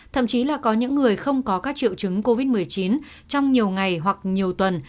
thậm chí là có những người không có các triệu chứng covid một mươi chín trong nhiều ngày hoặc nhiều tuần